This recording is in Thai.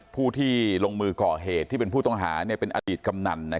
ผู้ที่ลงมือก่อเหตุที่เป็นผู้ต้องหาเป็นอดีตกำนัน